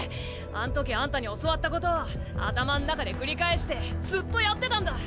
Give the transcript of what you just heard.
あん時あんたに教わったことを頭ん中で繰り返してずっとやってたんだ。